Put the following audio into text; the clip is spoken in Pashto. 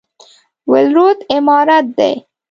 ولورت عمارت دی؟